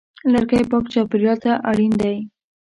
لرګی پاک چاپېریال ته اړین دی.